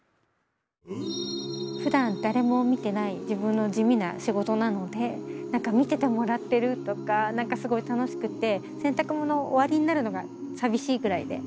ふだん誰も見てない自分の地味な仕事なので何か見ててもらってるとか何かすごい楽しくて洗濯物終わりになるのが寂しいぐらいで。